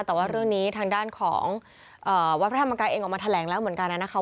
แต่ว่าเรื่องนี้ทางด้านของวัดพระธรรมกายเองออกมาแถลงแล้วเหมือนกันนะคะ